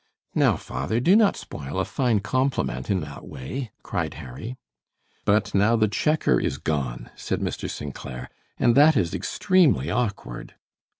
"Now, father, do not spoil a fine compliment in that way," cried Harry. "But now the checker is gone," said Mr. St. Clair, "and that is extremely awkward."